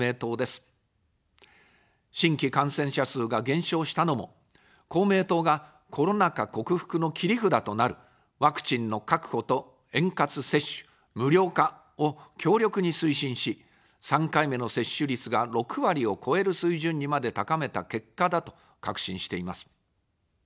新規感染者数が減少したのも、公明党がコロナ禍克服の切り札となるワクチンの確保と円滑接種、無料化を強力に推進し、３回目の接種率が６割を超える水準にまで高めた結果だと確信しています。